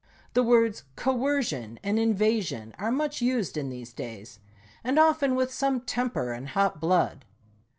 The words " coercion " and "invasion" are much used in these days, and often with some temper and hot blood.